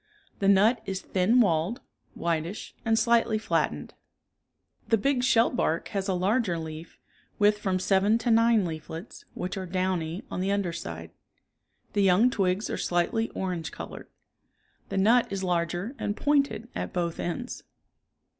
The nut is thin walled, whitish and slightly flattened. The big shellbark has a larger leaf, with from seven to nine leaflets, which are downy on the under side. The young twigs are slightly orange colored. The nut is larger and pointed at both ends.